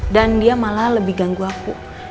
dan dia malah lebih ganggu aku